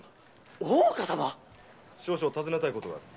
大岡様⁉少々尋ねたいことがある。